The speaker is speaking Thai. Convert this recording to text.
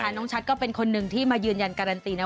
น้องชัดก็เป็นคนหนึ่งที่มายืนยันการันตีนะ